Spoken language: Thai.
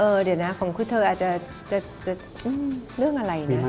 เดี๋ยวนะของคือเธออาจจะเรื่องอะไรนะ